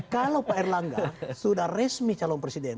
kalau pak erlangga sudah resmi calon presiden